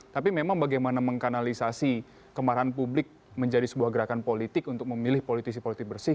tapi memang bagaimana mengkanalisasi kemarahan publik menjadi sebuah gerakan politik untuk memilih politisi politi bersih